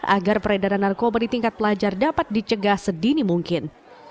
agar peredaran narkoba di tingkat pelajar dapat dicegah sedini mungkin